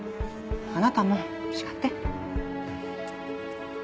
あなたも叱って。